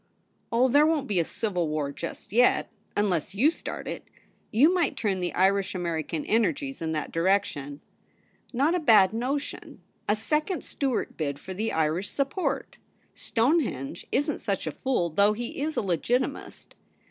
' Oh, there won't be a civil war just yet, unless you start it — you might turn the Irish American energies in that direction. Not a bad notion ! A second Stuart hid for the Irish support! Stonehenge isn't such a fool, though he is a Legitimist.